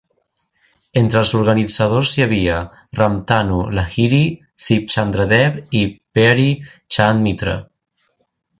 Entre els organitzadors hi havia Ramtanu Lahiri, Sib Chandra Deb i Peary Chand Mitra.